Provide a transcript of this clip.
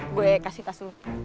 gue kasih tas